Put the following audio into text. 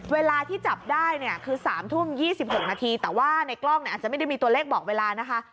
เวลาที่จับได้เนี่ยคือ๓ทุ่ม๒๖นาทีแต่ว่าในกล้องเนี่ยอาจจะไม่ได้มีตัวเลขบอกเวลานะคะ